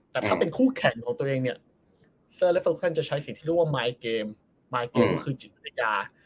แต่ถ้าเป็นคู่แข่งของตัวเองเนี่ยจะใช้สิ่งที่เรียกว่าคือจิตวิทยา